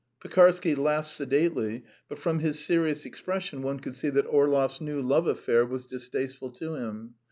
Pekarsky laughed sedately, but from his serious expression one could see that Orlov's new love affair was distasteful to him.